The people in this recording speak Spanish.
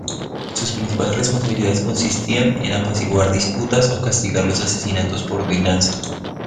Sus principales responsabilidades consistían en apaciguar disputas o castigar los asesinatos por venganza.